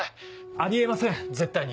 あり得ません絶対に。